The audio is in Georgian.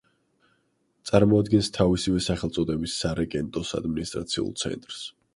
წარმოადგენს თავისივე სახელწოდების სარეგენტოს ადმინისტრაციულ ცენტრს.